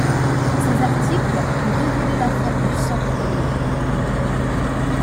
Ses articles ont révélé l'affaire du sang contaminé.